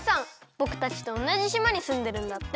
ぼくたちとおなじしまにすんでるんだって。